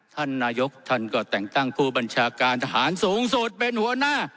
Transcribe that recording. ท่านนายกท่านก็แต่งตั้งผู้บัญชาการทหารสูงสุดเป็นหัวหน้า